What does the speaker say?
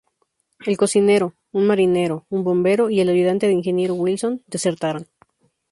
El cocinero, un marinero, un bombero, y el ayudante de ingeniero Wilson, desertaron.